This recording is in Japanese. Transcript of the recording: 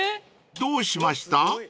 ［どうしました？］